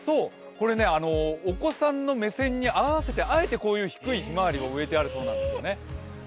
お子さんの目線に合わせてあえて低いひまわりを植えてあるそうなんですね。